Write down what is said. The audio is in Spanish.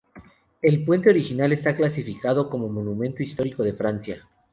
El puente original está clasificado como Monumento Histórico de Francia.